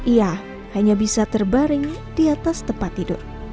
ia hanya bisa terbaring di atas tempat tidur